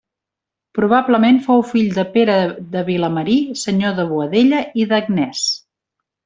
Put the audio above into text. Probablement fou fill de Pere de Vilamarí, senyor de Boadella, i d'Agnès.